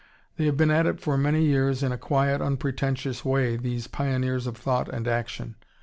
They have been at it for many years in a quiet, unpretentious way, these pioneers of thought and action.